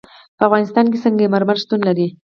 په افغانستان کې سنگ مرمر شتون لري.